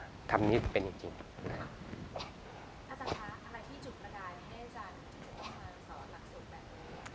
อาจารย์คะอะไรที่จุดประดายให้อาจารย์จะต้องมาสอนหลักส่งแบบนี้